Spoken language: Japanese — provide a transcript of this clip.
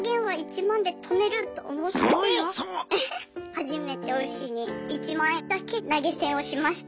初めて推しに１万円だけ投げ銭をしました。